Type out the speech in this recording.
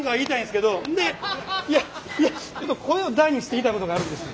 いや声を大にして言いたいことがあるんです。